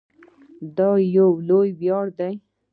دا یو لوی ویاړ دی.